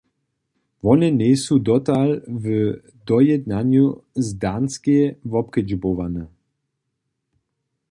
Wone njejsu dotal w dojednanju z Danskej wobkedźbowane.